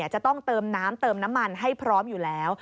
จะต้องเติมน้ำเติมน้ำมันให้พร้อมอยู่แล้ว